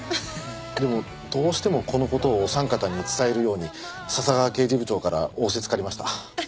でもどうしてもこの事をお三方に伝えるように笹川刑事部長から仰せつかりました。